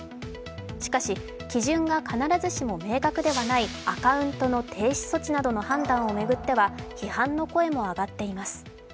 しかし、基準が必ずしも明確ではないアカウントの停止措置などの判断を巡っては批判の声も上がっています。